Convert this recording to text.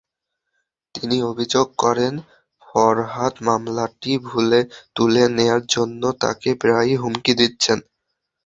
তিনি অভিযোগ করেন, ফরহাদ মামলাটি তুলে নেওয়ার জন্য তাঁকে প্রায়ই হুমকি দিচ্ছেন।